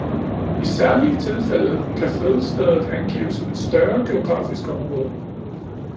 I særlige tilfælde kan fødestedet angives som et større geografisk område